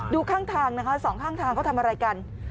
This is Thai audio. ดูข้างทางนะคะสองข้างทางเขาทำอะไรกัน